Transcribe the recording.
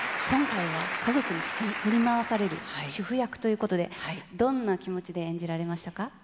今回は家族に振り回される主婦役ということで、どんな気持ちで演じられましたか？